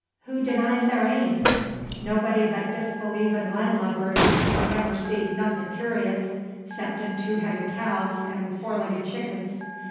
Who denies there ain't? Nobody but disbelevin land lubbers as never seed nothin' curious, 'ceptin' two headed calves and four legged chickens.